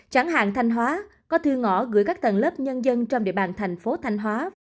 chẳng hạn thanh hóa có thư ngõ gửi các tầng lớp nhân dân trong địa bàn thành phố thanh hóa